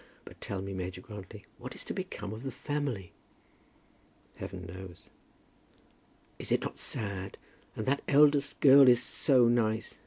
But, tell me, Major Grantly, what is to become of the family?" "Heaven knows!" "Is it not sad? And that eldest girl is so nice!